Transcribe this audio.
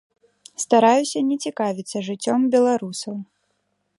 Стараюся не цікавіцца жыццём беларусаў.